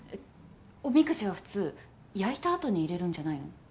おみくじは普通焼いたあとに入れるんじゃないの？